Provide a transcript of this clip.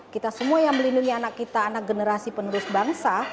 kita semua yang melindungi anak kita anak generasi penerus bangsa